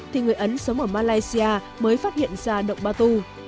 thì người ấn sống ở malaysia mới phát hiện ra động batu